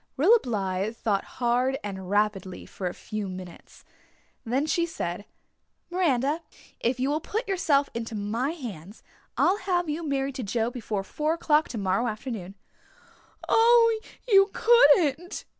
Rilla Blythe thought hard and rapidly for a few minutes. Then she said, "Miranda, if you will put yourself into my hands I'll have you married to Joe before four o'clock tomorrow afternoon." "Oh, you couldn't."